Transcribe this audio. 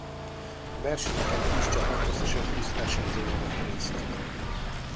A versenyeken tíz csapat összesen húsz versenyzője vett részt.